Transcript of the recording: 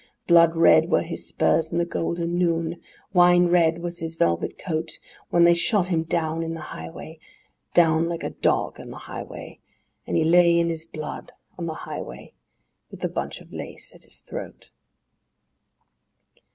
Blood red were his spurs i' the golden noon; wine red was his velvet coat, When they shot him down on the highway, Down like a dog on the highway, And he lay in his blood on the highway, with the bunch of lace at his throat.